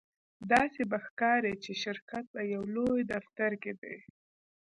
داسې به ښکاري چې شرکت په یو لوی دفتر کې دی